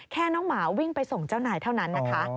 แค่น้องหมาวิ่งไปส่งเจ้าหน่ายเท่านั้น